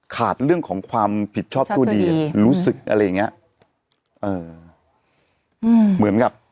ขาดเรื่องของความผิดชอบสู้ดีรู้สึกอะไรอย่างเงี้ยเอออืมเหมือนกับ